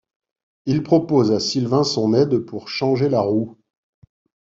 Il propose à Sylvain son aide pour changer la roue.